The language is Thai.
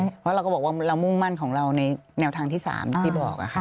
เพราะเราก็บอกว่าเรามุ่งมั่นของเราในแนวทางที่๓ที่บอกค่ะ